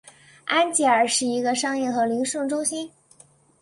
安吉尔是一个商业和零售中心。